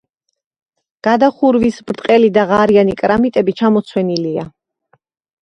გადახურვის ბრტყელი და ღარიანი კრამიტები ჩამოცვენილია.